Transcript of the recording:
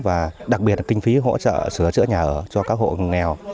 và đặc biệt là kinh phí hỗ trợ sửa chữa nhà ở cho các hộ nghèo